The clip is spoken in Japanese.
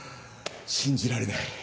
信じられない。